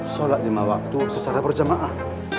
sholat lima waktu secara berjamaah